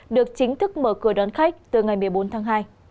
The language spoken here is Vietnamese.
được chính thức mở cửa đón khách từ ngày một mươi bốn tháng hai